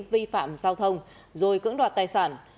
vi phạm giao thông rồi cưỡng đoạt tài sản